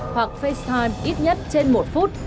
hoặc facetime ít nhất trên một phút